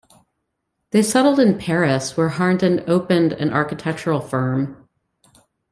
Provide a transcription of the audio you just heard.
They settled in Paris, where Harnden opened an architectural firm.